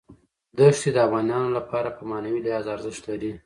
ښتې د افغانانو لپاره په معنوي لحاظ ارزښت لري.